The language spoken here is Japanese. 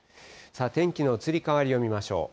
天気の移り変わりを見ましょう。